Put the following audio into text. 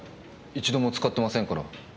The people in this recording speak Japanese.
一度も使ってませんから。